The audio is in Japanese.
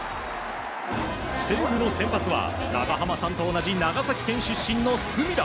西武の先発は長濱さんと同じ長崎県出身の隅田。